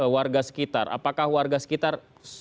warga sekitar apakah warga sekitar